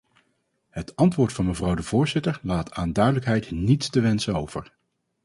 Het antwoord van mevrouw de voorzitter laat aan duidelijkheid niets te wensen over.